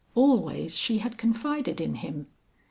Always she had confided in him.